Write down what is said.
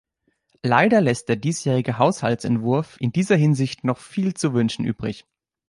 Leider lässt der diesjährige Haushaltsentwurf in dieser Hinsicht noch viel zu wünschen übrig.